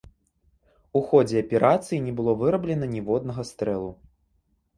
У ходзе аперацыі не было выраблена ніводнага стрэлу.